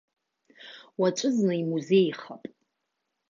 Уаҵәызны имузеихап.